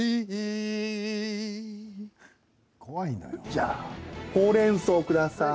じゃあほうれんそう、ください。